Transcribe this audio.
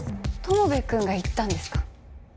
友部くんが言ったんですか？